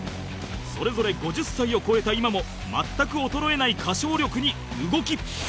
それぞれ５０歳を超えた今も全く衰えない歌唱力に動き